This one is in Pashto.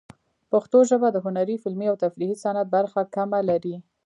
پښتو ژبه د هنري، فلمي، او تفریحي صنعت برخه کمه لري.